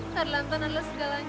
kau balik sekarang